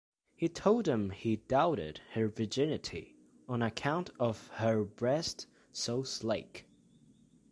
He told them he doubted her virginity, on account of "her brests so slacke".